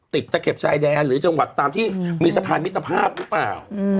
ตะเข็บชายแดนหรือจังหวัดตามที่มีสะพานมิตรภาพหรือเปล่า